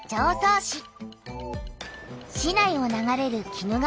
市内を流れる鬼怒川だよ。